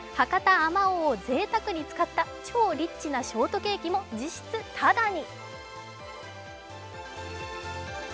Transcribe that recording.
あまおうをぜいたくに使った超リッチなショートケーキも実質タダに。